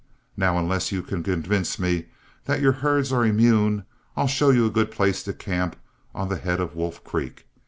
Now, unless you can convince me that your herds are immune, I'll show you a good place to camp on the head of Wolf Creek.